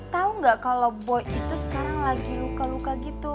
tahu nggak kalau boy itu sekarang lagi luka luka gitu